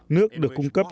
nước được cung cấp